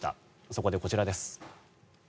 そこでこちらです。